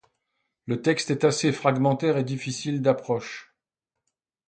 Le texte est assez fragmentaire et difficile d'approche.